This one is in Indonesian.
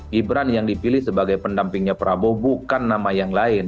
gibran yang dipilih sebagai pendampingnya prabowo bukan nama yang lain